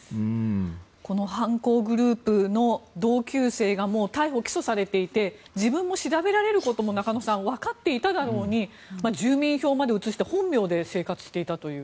この犯行グループの同級生がもう逮捕・起訴されていて自分も調べられることも中野さん、わかっていただろうに住民票まで移して本名で生活していたという。